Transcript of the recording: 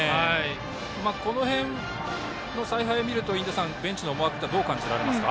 この辺の采配を見ると印出さんベンチの思惑はどう感じますか。